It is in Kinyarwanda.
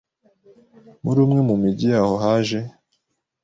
muri umwe mu migi yaho haje